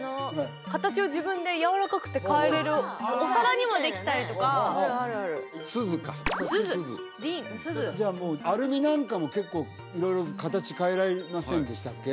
形を自分でやわらかくて変えられるお皿にもできたりとか錫か錫じゃあアルミなんかも結構色々と形変えられませんでしたっけ？